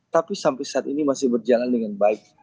tapi sampai saat ini masih berjalan dengan baik